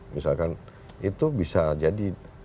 misalkan itu bisa jadi